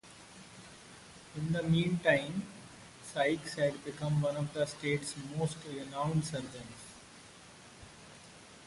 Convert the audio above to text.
In the meantime, Sykes had become one of the state's most renowned surgeons.